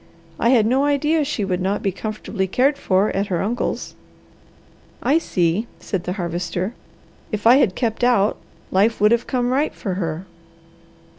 I had no idea she would not be comfortably cared for at her uncle's." "I see," said the Harvester. "If I had kept out, life would have come right for her."